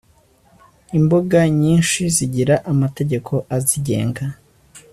imbuga nyinshi zigira amategeko azigenga